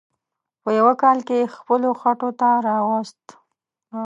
په یوه کال کې یې خپلو خوټو ته راوست.